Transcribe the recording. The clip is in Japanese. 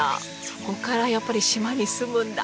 そこからやっぱり島に住むんだ！